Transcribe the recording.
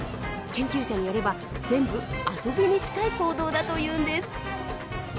研究者によれば全部遊びに近い行動だというんです。